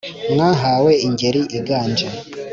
mwahawe ingeri iganje